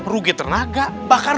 rugi tenaga bahkan